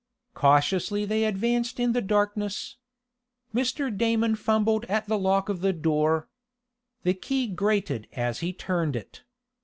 Cautiously they advanced in the darkness. Mr. Damon fumbled at the lock of the door. The key grated as he turned it.